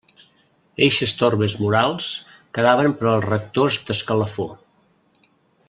Eixes torbes morals quedaven per als rectors d'escalafó.